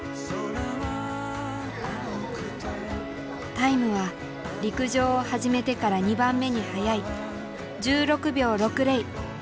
タイムは陸上を始めてから２番目に速い１６秒６０。